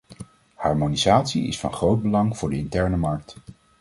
Harmonisatie is van groot belang voor de interne markt.